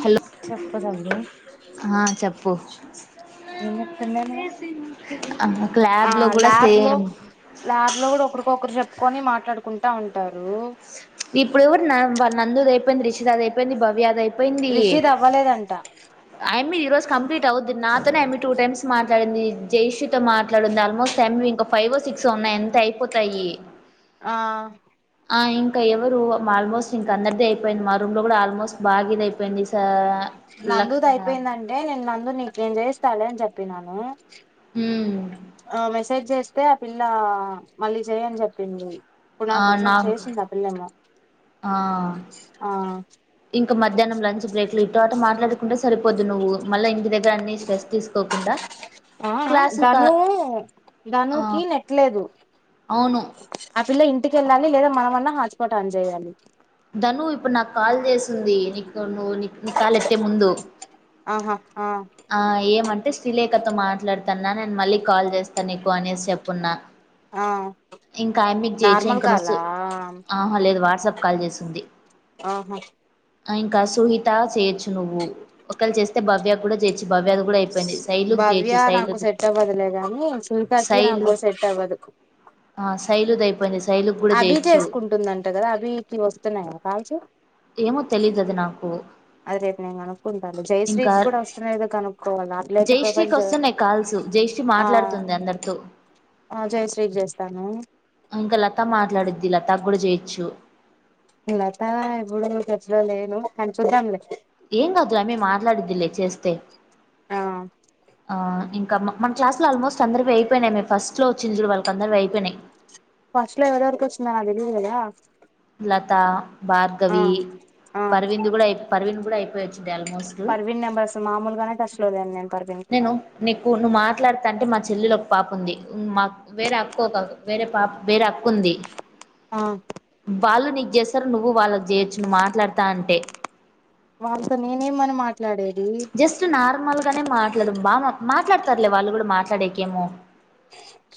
Hello చెప్పదవడు ప్పు ఏం చెప్తుందే ఆ ల్యాబ్ లో కూడా ల్యాబ్ లో సేమ్ ల్యాబ్ లో కూడా ఒకరు ఒక్కొక్కరు చెప్పుకొని మాట్లాడుకుంటా ఉంటారు ఇప్పుడు కూడా నందుది అయిపోయింది రిషిదా్ అయిపోయింది భవ్య్యాధ అయిపోయింది రిషిద్ అవ్వలేదంట అమి మీ ఈ రోజు కంప్లీట్ అవద్ది నాతోనే ఏమి టూ టైమ్స్ మాట్లాడింది జయష్ీతో మాట్లాడింది ఆల్మోస్ట్ అ ఇంకా ఫైవ్ సిక్స్ ఉన్నాయి ఎంత అయిపోతాయి ఆ ఇంకా ఎవరు ఆల్మోస్ట్ ఇంక అందరిదిే అయిపోయింది మా రూమ్ లో కూడా ఆల్మోస్ట్ బాగా ఇద అయిపోయింది స బ్లక్స్ అయిందంటే నేను ందుర నీకేం చేయిస్తాడే అని చెప్పినాను ఉ ఆ మెసేజ్ చేస్తే ఆ పిల్ల మళ్ళీ చెయని చెప్పింది ఇప్పుడు ఆ నాకు నా మెసేజ్ చేసింది ఆ పిల్లేమో ఆ ఆ ఇంక మధ్యానం లంచ్ బ్రేక్లు ఇ మాట్లాడు ండా సరిపోద్ది నువ్వు మళ్ళ ఇ దగ్ర ఆ క్లాసులు కా ధను ఆ ధనుకి నెట్లేదు అవును అ పిల్ల ఇంటికెళ్ళాలి లేదా మనమన్నా హాట్ స్పాట్ అన్ చేేయాలి తను ఇప్పుడు నాకు కాల్ జేసింది నీకు నువ్వు నీ కాల్ ఎత్తే ముందు ఆహా ఆ ఆ ఏమంటే శ్రీలేఖతో మాట్లాడ తన్నా నేను మళ్ళీ కాల్ జేస్తా నీకు అనేసి చెప్పున్నా ఆ ఇంక ఆయమ్మికు చేయిచ్చు నార్మల్ ఇంకా ను కాలా ఆహ లేదు వాట్సాప్ కాల్ చేసింది ఆహా ఆ ఇంక సుహిత స నువ్వు ఒకళ్లు చేస్తే భవ్య కూడా జయి భవ్య నాకు సెట్ అవ్వదులే గాని సునీతకి శైలు నాకు సెట్ అవ్వదు ఆ శైలుది అయిపోయింది శైలుకి కూడా అబి చేయొచ్చు చేసుకుంటుందంట కదా అభికి వస్తున్నాయి కదా కావచు ఏమో తెలీదు అది నాకు అది రేపు నేను కనుక్కుంటా ఇంకా జయశ్రీత్ కూడా వస్తున్నాయో లేదో కనుక్కోవాలి అట్లయితే ప్రొఫైల్ జయశ్రీకి వస్తున్నాయ్ కాల్స్ జయశ్రీ ఆ మాట్లాడుతుంది అందరితో ఆ జయశ్రీకి చేస్తాను ఇంకా లతా మాట్లాడిద్ది లతా ప్పుడు చేయిచ్చు లత ఇప్పుడు టచ్ లో లేదు కానీ చూద్దాంలే ఏం గాదు ఆయమ్మి మాట్లాడిద్దిలే చేస్తే ఆ ఆ ఇంకా మన క్లాస్ లో ఆల్మోస్ట్ అందరివి అయిపోయినాయి మే ఫస్ట్ లో వచ్చిన చుడు వాళ్ళ అందరి అయిపోయినాయి ఫస్ట్ లో ఎవరెవరికొచ్చిందో నా తెలీదు కదా లతా ఆ భార్గవీ పర్వింద్ గూడ పర్వింద్ ప్పుడు అయిపోయి పర్వింద్ నంబర్సు మామూలుగానే టచ్ లో లేన్ నేను పర్ నేను నీకు నువ్వు మాట్లాడ్ అంటే మా చెల్లెలు ఒక పాప ఉంది మా వేరే అక్క ఒక వేరే పాప్ వేరే అక్కుంది ఆ వాళ్లు నిక్ జేస్సరు నువ్వు వాళ్ళకి జేయొచ్చు నువ్ మాట్లాడతా అంటే వాల్తొ నేనేమని మాట్ జస్ట్ నార్మల్ గనే మాట్లాడు బాగా మాట్ తార్లే వాళ్ళు కుడ మాట్లాడెకేమో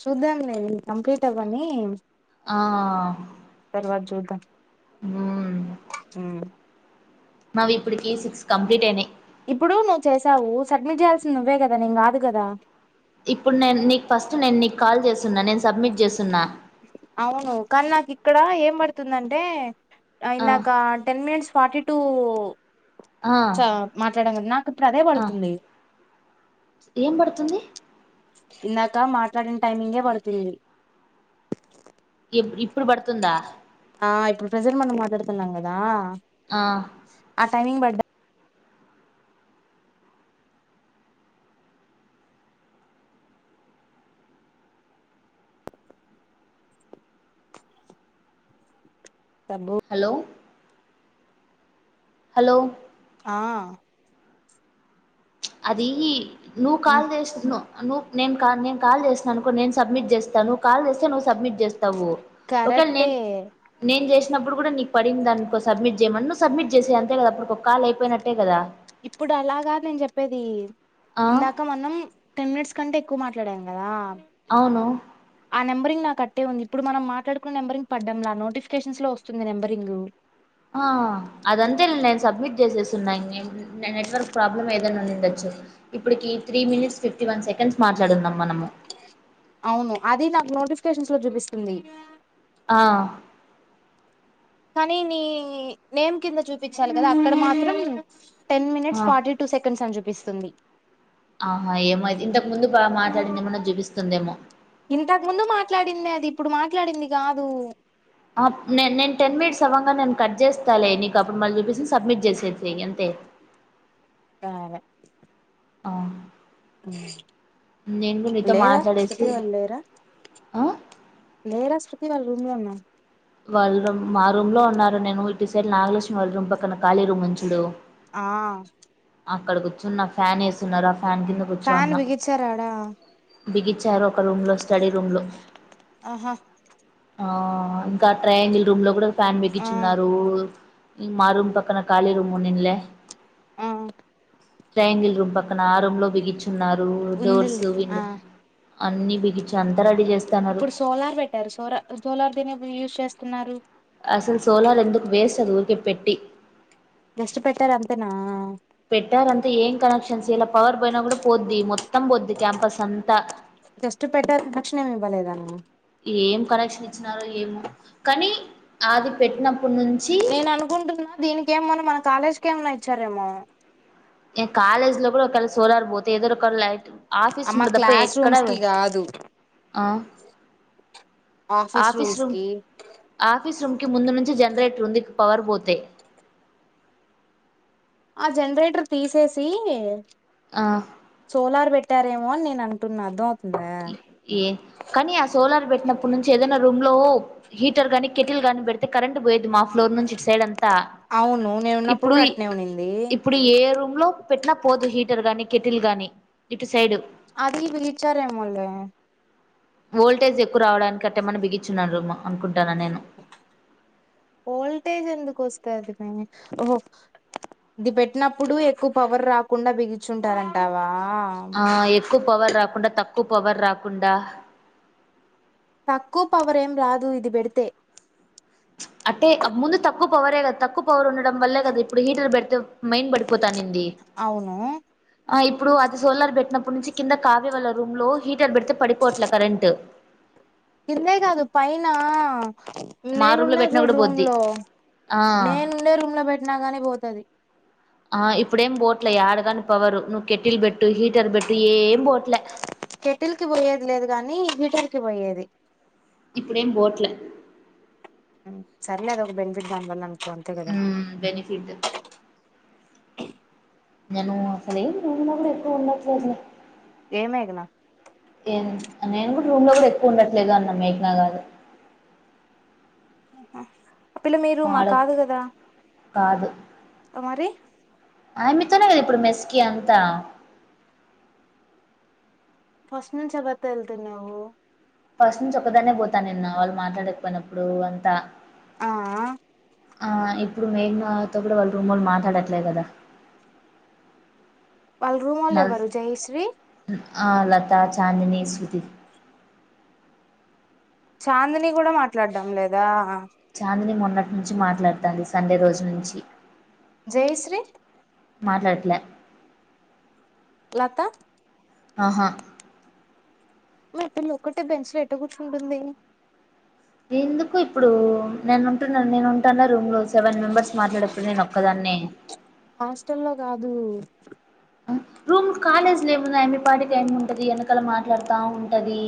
శుద్దాం లె ఇది కంప్లీట్ అవ్వనీ ఆ మ్మ్ మ్ మావి ఇప్పటికి సిక్స్ కంప్లీట్ అయినాయ్ చేసావూ సడ్మిట్ చేయాల్సింది నువ్వే కదా నీను కాదు కదా ఇప్పుడు నేను నీక్ ఫస్ట్ నేను నీకు కాల్ చేస్తున్నా నేను సబ్మిట్ చేస్తున్నా అవును కాని నాకు ఇక్కడ ఏం పడుతుందంటే ఆ ఇందాక టెన్ మినట్స్ ఫార్టి టూ ఆ చ మాట్లాడం కద్ నాకు ఇప్పుడు అదే ఆ పడుతుంది ఏం పడుతుంది ఇందాకా మాట్లాడిన్ టైమింగే పడుతుంది ఇప్ప్ ఆ ఇప్పుడు ప్రెజెంట్ మనం మాట్లాడ్తు తున్నాంగదా ఆ టైమింగ్ పడ్డ్ సబ్బు హలో హలో ఆ అదీ నువ్ ఆ కాల్ చేస్తున్నావ్ నువ్వు నేను కా నేను కాల్ చేసిననుకో నేను సబ్మిట్ చేస్తానువవు కాల్ చేస్తే నువ్వు సబ్మిట్ చేస్తావు ఒకేళ కరెక్టే నేను నేను చే వచ్చినప్పుడు కూడా నీ పడిందనుకో సబ్మిట్ చేయమనీ నవ్వు సబ్మిట్ చేసే అంతే కదా అప్పుడు ఒక కాల్ అయిపోయినట్టే కదా ఇప్పుడు అలాగా నేను చెప్పేది ఆ ఇందాక మనం టెన్ మినిట్స్ కంటే ఎక్కువ మాట్లాడాను కదా అవును ఆ నెంబరింగ్ నాకు అట్టే ఉంది ఇప్పుడు మనం మాట్లాడుకున్న నెంబరింగ్ పడ్డంలా నోటిఫికేషన్స్ లో వస్తుంది నెంబరింగ్ ఆ అదంతే నేను సబ్మిట్ చేసేసున్నా నెట్వర్క్ ప్రాబ్లం ఏదైనా ఉండుండచ్చు ఇప్పుటికి three minutes fifty one seconds మాట్లాడునామ్ మనము అవును అది నాకు నోటిఫికేషన్స్ లో చూపిస్తుంది ఆ కానీ నీ నేమ్ కింద చూపిచాలి కదా అక్కడ మాత్రం టె ఆ మనిట్స్ ఫార్టీ టూ సెకండ్స్ అని చు కనిపిస్తుంది ఆహా ఏమో అయితే ఇంతకు ముందు బాగా మాట్లాడిందేమన్నా చూపిస్తుందేమో ఇంతకు ముందు మాట్లాడిందే అది ఇప్పుడు మాట్లా మాట్లాడింది కాదు ఆ నే నేను టెన్ మినిట్స్ అవ్వంగా నేను కట్ చేస్తాలే నీకు అప్పుడు మళ్ళీ చూపిస్తోంది సబ్మిట్ అంతే సరే ఆ నేను కూడా ఇప్పుడు నీతో లేద శృతి మాట్లాడేసి వాళ్ళు లేరా ఆ లేర సు శృతి వాళ్ళ రూమ్ లో ఉన్న వాళ్ళ మా రూమ్ లో ఉన్నారు నేను ఇ సైడ్ నాగలక్ష్మి వాళ్ళ రూమ్ పక్కన ఖాళీ రూమ్ ఉంది చూడు ఆ అక్కడ కూర్చున్న ఫ్యాన్ వేసున్నారు ఫ్యాన్ కింద ఫ్యాన్ బిగిచార ఆడ బిగి ఒక రూమ్ లో స్టడీ రూమ్ లో ఆహా ఆ ఆ ట్రయాంగిల్ రూమ్ లో కూడా ఫ్యాన్ ఆ బిగిచున్నారు ఇ మా రూ పక్కన కాలి రూమ్ ఉన్నింలే ఆ ట్రియాంగిల్ రూమ్ పక్క ఆ రూమ్ లోబిగుచ్చు న్నారు డోర్స్ ఉందిలే విన్ ఆ అన్ని బిగిచా ఇప్పుడు సోలార్ పెట్టారు సోర సోలార్ దీని యూజ్ చేస్త న్నారు అసల్ సోలార్ ఎందుకు వేస్ట్ అది పెట్టి కష్ట పెట్టారు అంతేనా పెట్టారంతే ఏం కనెక్షన్స్ ఇలా పవర్ పోయినా కూడా పోద్ది మొత్తం పోద్ది క్యాంపస్ అంతా జస్ట్ పెద్ద తక్షణేమి ఇవ్వలేదానను కక్సి ఏమో కానీ ఆది పెట్టిన నేను అనుకుంటున్నా దీనికి ఏమ మన మన కాలేజ్ మన్నా ఇచ్చారేమో ఏ కాలేజ్ లో కూడా ఒకవళ సోలార్ పోతే ఏదో ఒకళ లైట్ ఆఫీస్ అమ్మ రూమ్ల తప్ప క్లాస్ ఎక్కడా రూమ్స్ కి కాదు ఆఫీస్ రూమ్స్ రూమ్ కి ఆఫీస్ రూమ్ కి ముందు నుంచి జనరేటర్ ఉంది ఇ పవర్ పోతే ఆ జనరేటర్ తీసేసి ఆ సోలార్ బెట్ ట్టారేమో అని నేను అంటున్నాను ఏ కానీ ఆ సోలార్ పెట్టినప్పుడు నుంచి ఏదైనా రూమ్ లో హీటర్ గానీ కెటిల్ గానీ పెడితే కరెంట్ పోయేది మాఫ్ ఫ్లోర్ నుంచి ఇ సైడ్ అంతా అవును నేను ఉన్నప్పుడు ఇప్పుడు కూడా అట్నే ఉనింది ఇప్పుడు ఏ రూమ్ లో పెట్టిన పోదు హీటర్ గాని కెటిల్ గాని ఇటు సైడ్ అది బచారేముళ వోల్టేజ్ ఎక్కువ రావడానికికట్టే మన బిగించున్నారుమ్ అనుకుంటు వోల్టేజ్ ఎందుకు వస్తా అది ఓహో ఇది పెట్టినప్పుడు ఎక్కువ పవర్ రాకుండా బిగచుంటారంటావా ఆ ఎక్కువ పవర్ రాకుండా తక్కువ పవర్ రాకుండా తక్కువ పవరేం రాదు ఇది పెడితే అంటే ముందు తక్కువ పవరే కదా తక్కువ పవర్ ఉండడం వల్లే కదా ఇప్పుడు హీటర్ పెడితే మైన్ పడిపోతాను అవును ఇప్పుడు అది సోలార్ పెట్టినప్పుడు నుంచి కింద కావ వాళ్ళ రూమ్ లో హీటర్ పెడితే పడిపోట్లే కరెంట్ ఇంతే కాదు పైైన మా రూమ్ లో నేనున్నా పెట్టినా చూడు కూడా రూమ్ పోద్ది లో ఆ నేను ఉండే రూమ్ లో బట్ న్నాగానే పోతుది ఆ ఇప్పుడేం బోట్ల ఆడగాని పవరు నువ్వు కెట్టిల్ పెెట్టు హీటర్ పెట్టు ఏం బోట్లే కెటిల్ కి పోయేది లేదు కాగానీ హీటర్ కి పోయేది ఇప్పుడేం బోట్ల సర్లే అద ఒక బెనిఫిట్ దామ్బల్ంత ఉ బెనిఫిట్ నను అసలేంద కూడా ఎప్పుడు ఉండ అా ఏమ ఎకునా ఏం నేను కూడా రూమ్ లో కూడా ఎక్కువ ఉండట్లేదు అన్న మేఘనా కాదు ఆ పిల్ల మీరు మా కాదు కదా అ మరి ఆమితోనే కదా ఇప్పుడు మెస్కి అంతా ఫస్ట్ నుంచి ఎవరితో వెళ్తున్నావు ఫస్ట్ నుంచి ఒకదాన్నే పోతాను నిన్న వాళ్ళు మాట్లాడకపోయినప్పుడు అంతా ఆ ఆ ఇప్పుడు మేఘనాతో కూడా వాళ్ళ రూమ్ వాళ్ళు మాట్లాడట్లేదు కదా వాళ్ళ రూమ్ వాళ్ళ నల్ ఎవరు జయశ్రీ లత చాదనీ శృతి చాందిని కూడా మాట్లాడడం లేదా చాందని మొన్న అన్నటి నుంచి మాట్లాడుతుంది సండే రోజు నుంచి జయశ్రీ మాట్లాడట్లే. లత ఆహా! మా అ పిల్ల ఒక్కటే బెంచ్ లో ఎట కూర్చుంటుంది. ఎందుకు ఇప్పుడు నేను ఉంటున్నా నేను ఉంటాన్నా రూమ్ లో సెవెన్ మెంబర్స్ మాట్లాడేప్పుడు, నేను ఒకదాన్నే. హాస్టల్లో కాదు. రూమ్ కాలేజ్లుమున్నా, అయ్యమే పాటికి అయ్యమే ఉంటది. వెనకాల మాట్లాడుతా ఉంటది.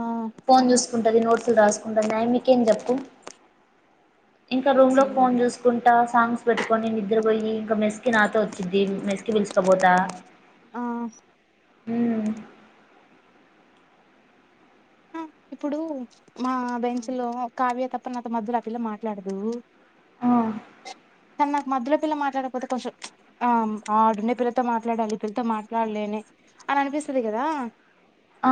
ఆ ఫోన్ చూసుకుంటది, నోట్స్‌లు రాసుకుంటది. అయ్యమీకేం చెప్పు ఉప్. ఇంకా రూమ్‌లో ఫోన్ చూసుకుంటా, సాంగ్స్ వింటా. పెట్టుకొని నిద్రపోయి, ఇంక మెస్కి నాతో వచ్చింది, మెస్కి పిల్స్. తం బోతా ఆ ఉమ్ ఆ ఇప్పుడూ. మా బెంచ్‌లో కావ్య తప్ప నాతో మధ్యలో ఆ పిల్ల మాట్లాడదు. ఆ కానీ నాకు మధ్యలో పిల్ల మాట్లాడకపోతే, కొంచెం ఆ ఆడుండే పిల్లతో మాట్లాడాలి, ఈ పిల్లతో మాట్లాడలేనే అని అనిపిస్తాది గదా. ఆ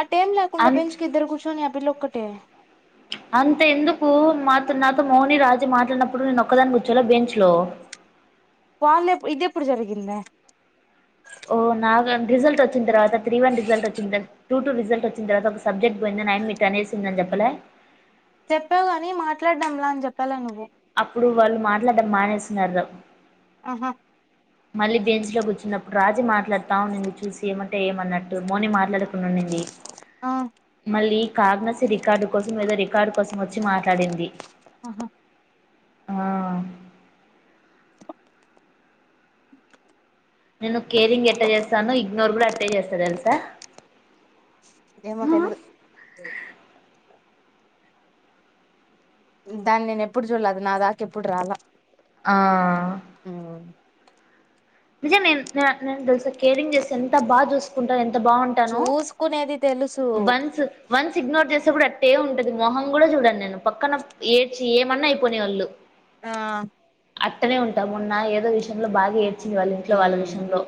ఆ టైమ్ లేకుండా అన్ బెంచ్‌కి ఇద్దరం కూర్చొని, ఆ పిల్లు. ఒక్కటే అంత ఎందుకు, మాతో నాతో మోని, రాజు మాట్లాడినప్పుడు నేను ఒక్కదాని కూర్చోలే. బెంచ్ లో వాళ్లు ఎప్, ఇది ఎప్పుడు జరిగిందే? ఓ నాగళ్ళ రిజల్ట్ వచ్చిన తర్వాత త్రీ వన్ రిజల్ట్ వచ్చిన త టూ టూ రిజల్ట్ వచ్చిన తర్వాత ఒక సబ్జెక్ట్ వంద, నాయనమ్మ ఇట అనేసిందని జెప్పి. హలో! చెప్పావు గానీ, మాట్లాడ్దాంలా అని చెప్పలే నువ్వు. అప్పుడు వాళ్లు మాట్లాడడం మానేస్తున్నారు. ఆహా మళ్లీ బెంచ్‌లో కూర్చున్నప్పుడు రాజీ మాట్లాడ్తా ఉండింది చూసి, ఏమంటే ఏమన్నట్టు, మార్నింగ్ మాట్లాడు. ఉండుడింది. ఆ మళ్లీ కాగ్నసి రికార్డు కోసం, ఏదో రికార్డు కోసం వచ్చి మాట్లాడింది. ఆహా ఆ నిన్ను కేరింగ్ ఎట్ట చేస్తానో, ఇగ్నోర్ కూడా అట్టే చేస్తా, తెలుసా? ఏమో, తెలీదు. దాన్ని నేను ఎప్పుడూ చూడల. అది నా దాకా ఎప్పుడూ రాల. ఆ నిజం, నేన్ నేన్ అట్ల. నేను తెలుసా, కేరింగ్ జేస్తే ఎంత బాగ్ జూస్ చసుకుంటా అంత బాగుంటాను చూసుకునేది తెలుసు వన్స్ వన్స్ ఇగ్నోర్ చేసే కూడా అట్టే ఉంటది మొహం కూడా చూడంను నేను పక్కన ఏడ్చి ఏమన్నా అయిపోనేవాళ్ళు ఆ అట్టనే ఉంటాముొన్న ఏదో విషయంలో బాగా వచ్చింది వాళ్ళ ఇంట్లో వాళ్ళ ఉమ్ విషయంలో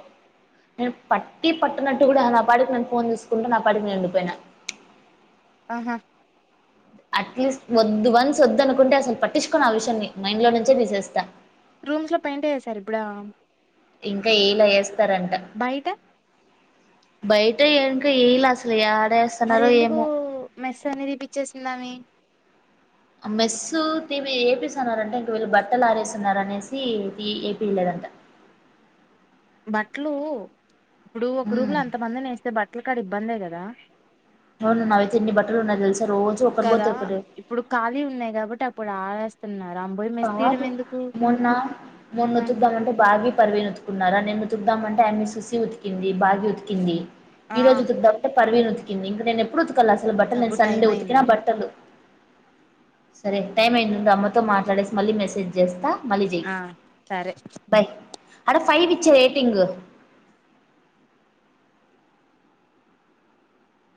నేను పట్టి పట్నట్టు కూడా నా పాడికి నేను ఫోన్ చేసుకుంటా నా పాడికి నేను నిండిపోయినా ఆహా అట్లీస్ట్ వద్దు వన్స్ వద్దు అనుకుంటే అసలు పట్టించుకోని ఆ విషయాన్ని మైండ్ లో నుంచే తీసేస్తా రూమ్స్ లో పెయింట్ అయ్యసారు ఇప్పుడు ఇంకా ఏలాేస్త స్తారంట బయట బయట ఎంకా ఎలాసలు యారు మరి ఎందుకు మె నేది పిచ్చేస్తున్నామ మెస్సు తీపి ఏపిస్తున్నారంట ఇంక వీళ్ళు బట్టలు ఆరేస్తున్నారుర అనేసి ఏపిలేదంట బట్టలు ఇప్పుడు ఒక రూమ్ ఉమ్ లో ఎంత మంది నేస్తే బట్టల క్కడికి బందే కదా అవును నా అయితే ఇన్ని బట్టలు ఉన్నా తెలుసా రోజు ఒకరు పోతే కదా ఒకరు న్నా కాదు మొన్న ఆ మొన్నొతుద్దామంటే బాగా పర్వన ఉన్నారా నేను ఉతుకుదామంటే ఆమె సూసి ఉతికింది బాగా ఉతికింది ఆ ఈ రోజు బ పర్వి ఉతికింది ఇంక నేనే ఎప్పుడు ఉ అసలు బట్టలు సబ్బు నేను టైం సండే ఉతుకినా అయిందిలే బట్టలు సరే టైం అయిందా అమ్మతో మాట్లాడేసి మళ్ళీ మెసేజ్ చేస్తా మళ్ళీ చెయ్ ఆ సరే అడ ఫైవ్ ఇచ్చెయ్ రేటింగ్